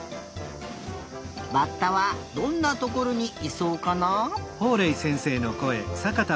バッタはどんなところにいそうかな？